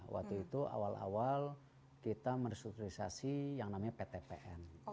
waktu itu awal awal kita merestrukturisasi yang namanya ptpn